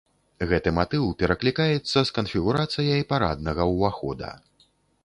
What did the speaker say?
Гэты матыў пераклікаецца з канфігурацыяй параднага ўвахода.